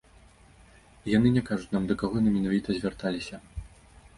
І яны не кажуць нам, да каго яны менавіта звярталіся.